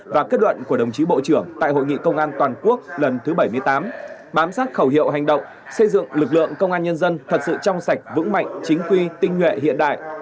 và kết luận của đồng chí bộ trưởng tại hội nghị công an toàn quốc lần thứ bảy mươi tám bám sát khẩu hiệu hành động xây dựng lực lượng công an nhân dân thật sự trong sạch vững mạnh chính quy tinh nguyện hiện đại